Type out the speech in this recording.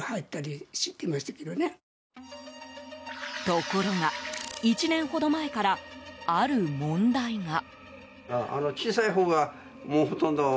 ところが１年ほど前からある問題が。